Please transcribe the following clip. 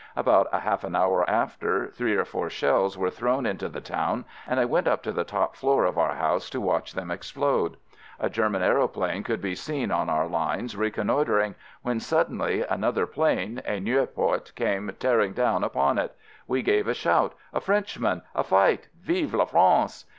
About a half an hour after, three or four shells were thrown into the town and I went up to the top floor of our house to watch them explode. A German aeroplane could be seen on our lines reconnoitering, when suddenly 144 AMERICAN AMBULANCE another plane, a Nieuport, came tearing down upon it. We gave a shout, "A Frenchman! A fight! Vive la France!"